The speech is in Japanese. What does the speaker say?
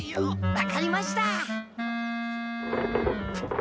分かりました！